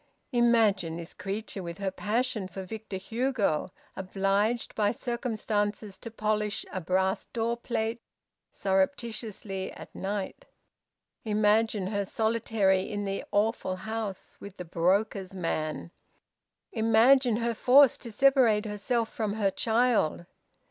Imagine this creature, with her passion for Victor Hugo, obliged by circumstances to polish a brass door plate surreptitiously at night! Imagine her solitary in the awful house with the broker's man! Imagine her forced to separate herself from her child!